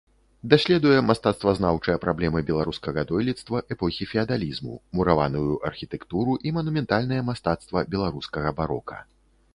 Даследуе мастацтвазнаўчыя праблемы беларускага дойлідства эпохі феадалізму, мураваную архітэктуру і манументальнае мастацтва беларускага барока.